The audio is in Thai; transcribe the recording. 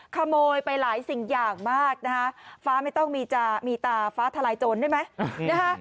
ขโมยไปหลายสิ่งอย่างมากนะคะฟ้าไม่ต้องมีจะมีตาฟ้าทลายโจรได้ไหมนะคะ